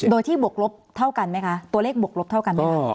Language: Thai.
โดยที่บวกลบเท่ากันไหมคะตัวเลขบวกลบเท่ากันไหมคะ